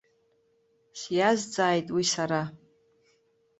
Сиазҵааит уи сара.